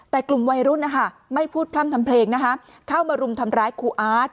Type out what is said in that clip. แต่กลุ่มวัยรุ่นไม่พูดพร่ำทำเพลงเข้ามารุมทำร้ายครูอาร์ต